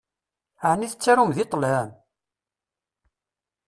Ɛni tettarum deg ṭṭlam?